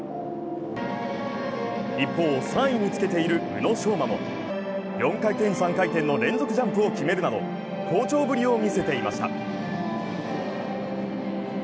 一方、３位につけている宇野昌磨も４回転３回転の連続ジャンプを決めるなど、好調ぶりを見せていました。